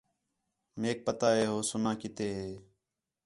میک پتا ہے ہو سُنّا کِتے ہِے